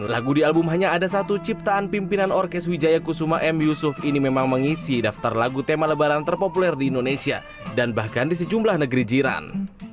lagu di album hanya ada satu ciptaan pimpinan orkes wijaya kusuma m yusuf ini memang mengisi daftar lagu tema lebaran terpopuler di indonesia dan bahkan di sejumlah negeri jiran